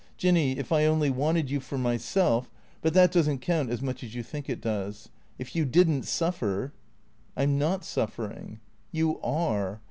"Jinny — if I only wanted you for myself — but that does n't count as much as you think it does. If you did n't suffer "" I 'm not suffering." " You are.